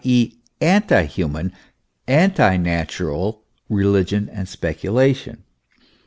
e., anti human, anti natural religion and speculation.